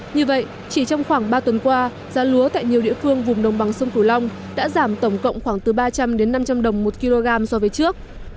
như vậy chỉ trong khoảng ba tuần qua giá lúa tại nhiều địa phương vùng đồng bằng sông cửu long đã giảm tổng cộng khoảng từ ba trăm linh đến năm trăm linh đồng một kg so với trước